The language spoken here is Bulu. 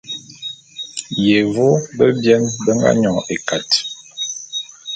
Yévô bebien be nga nyon ékat.